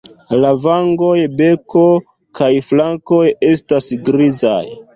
La vangoj, beko kaj flankoj estas grizaj.